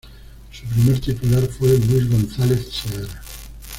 Su primer titular fue Luis González Seara.